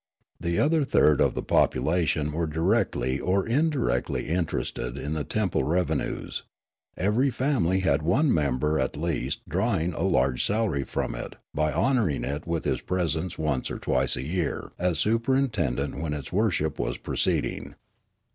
The other third of the population were directly or indirectly interested in the temple revenues ; ever}^ family had one member at least drawing a large salary from it by honouring it with his presence once or twice a year as superintendent when its worship was proceeding.